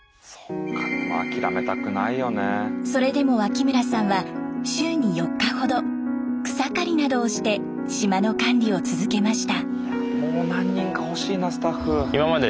それでも脇村さんは週に４日ほど草刈りなどをして島の管理を続けました。